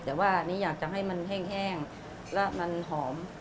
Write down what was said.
แต่ว่าอันนี้อยากจะให้มันแห้งและมันหอม